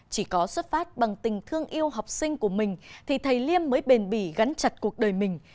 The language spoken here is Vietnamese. chỉ có xuất phát bằng tình thương yêu học sinh của mình thì thầy liêm mới bền bỉ gắn chặt cuộc đời mình